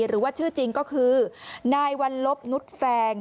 หรือว่าชื่อจริงก็คือนายวัลลบนุษย์แฟง